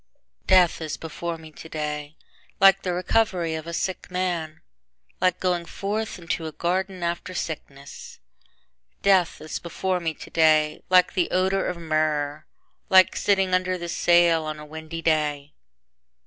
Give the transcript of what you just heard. Death is before me today Like the recovery of a sick man, Like going forth into a garden after sickness. Death is before me today Like the odor of myrrh, Like sitting under the sail on a windy day.